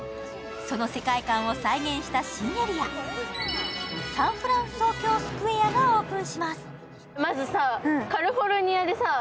その世界観を再現した新エリア、サンフランソウキョウ・スクエアがオープンします。